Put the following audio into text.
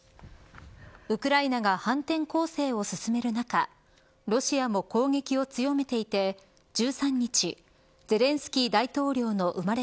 ウクライナが反転攻勢を進める中ロシアの攻撃を強めていて１３日ゼレンスキー大統領の生まれ